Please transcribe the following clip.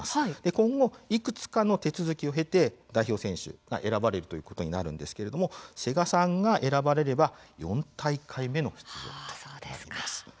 今後、いくつかの手続きを経て代表選手が選ばれるんですが瀬賀さんが選ばれれば４大会目の出場となります。